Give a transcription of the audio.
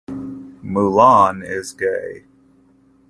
Mullan is gay.